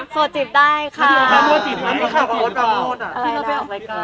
เป็นแรกเลย